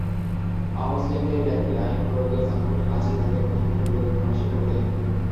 অমুসলিমদের ব্যক্তি-আইন প্রয়োগের মাধ্যমে কাজী তাদের মধ্যকার বিরোধ মীমাংসা করতেন।